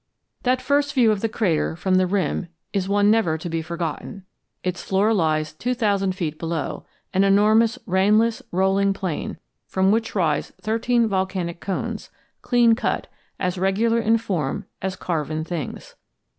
That first view of the crater from the rim is one never to be forgotten. Its floor lies two thousand feet below, an enormous rainless, rolling plain from which rise thirteen volcanic cones, clean cut, as regular in form as carven things.